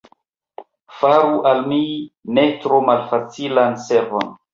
Faru al mi ne tro malfacilan servon!